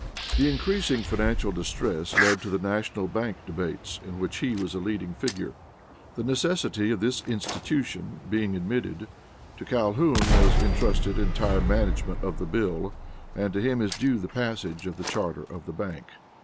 The increasing financial distress led to the National Bank debates, in which he was a leading figure. The necessity of this institution being admitted, to Calhoun was intrusted entire management of the bill, and to him is due the passage of the charter of the bank.